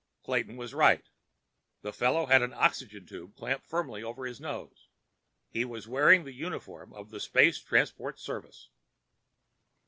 Clayton was right. The fellow had an oxygen tube clamped firmly over his nose. He was wearing the uniform of the Space Transport Service.